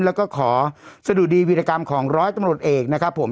แล้วก็ขอสะดุดีวิรกรรมของร้อยตำรวจเอกนะครับผม